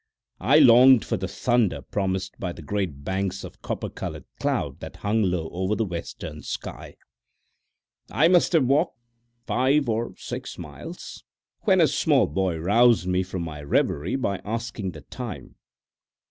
I longed for the thunder promised by the great banks of copper coloured cloud that hung low over the western sky. I must have walked five or six miles, when a small boy roused me from my reverie by asking the time.